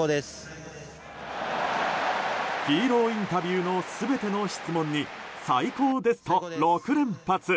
ヒーローインタビューの全ての質問に最高ですと６連発。